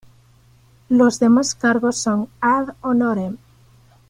Los demás cargos son "ad honorem".